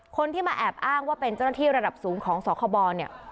คนที่มาแอบอ้างว่าเป็นเจ้าหน้าที่ระดับสูงของสคบเนี่ย